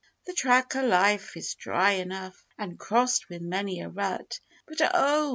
The track o' life is dry enough, an' crossed with many a rut, But, oh!